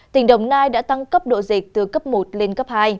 tăng cấp độ dịch từ cấp một lên cấp hai